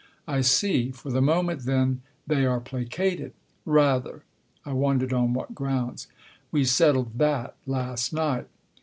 " I see. For the moment, then, they are placated ?"" Rather." (I wondered on what grounds.) " We settled that last night."